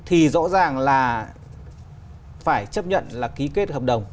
thì rõ ràng là phải chấp nhận là ký kết hợp đồng